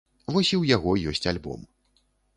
Вось і ў яго ёсць альбом.